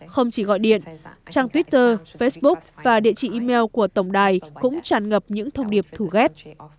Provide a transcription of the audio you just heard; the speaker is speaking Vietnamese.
không chỉ gọi điện trang twitter facebook và địa chỉ email của tổng đài cũng tràn ngập những thông điệp thủ ghét